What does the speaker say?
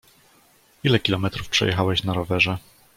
Ile kilometrów przejechałeś na rowerze?